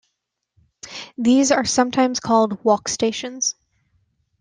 These are sometimes called walkstations.